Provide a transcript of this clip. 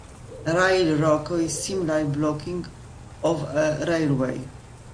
Rail roko is similar blocking of a railway.